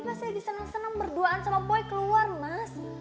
dia pas lagi senang senang berduaan sama boy keluar mas